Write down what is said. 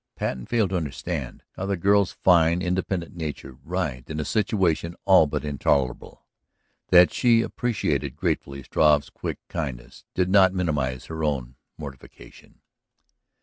Patten failed to understand how the girl's fine, independent nature writhed in a situation all but intolerable. That she appreciated gratefully Struve's quick kindness did not minimize her own mortification.